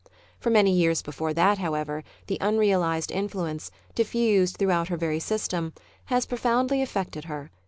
For many years before that, however, the unrealised influence, diffused throughout her very system, has profoundly affected her.